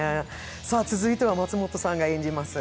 続いては松本さんが演じます